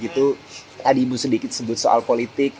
tadi ibu sedikit sebut soal politik